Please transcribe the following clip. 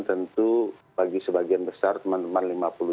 tentu bagi sebagian besar teman teman lima puluh dua